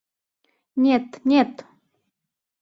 — Нет, нет!